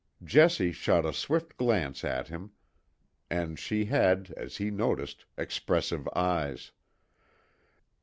Jessie shot a swift glance at him, and she had, as he noticed, expressive eyes.